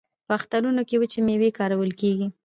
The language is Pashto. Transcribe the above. په اخترونو کې وچې میوې کارول کیږي.